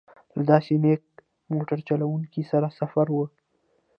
له داسې نېک موټر چلوونکي سره سفر و.